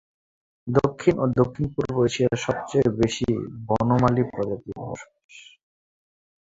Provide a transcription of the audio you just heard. দক্ষিণ ও দক্ষিণ-পূর্ব এশিয়ায় সবচেয়ে বেশি বনমালী প্রজাতির বসবাস।